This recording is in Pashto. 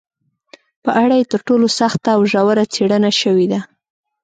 په اړه یې تر ټولو سخته او ژوره څېړنه شوې ده